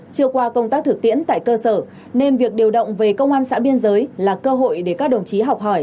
chưa qua công tác thực tiễn tại cơ sở nên việc điều động về công an xã biên giới là cơ hội để các đồng chí học hỏi